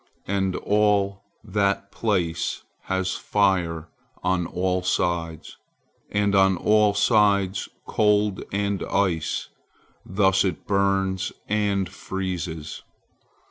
And all that place has fire on all sides, and on all sides cold and ice, thus it burns and freezes.